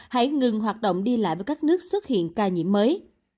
hãy ngừng hoạt động đi lại với các nước xuất hiện ca nhiễm mới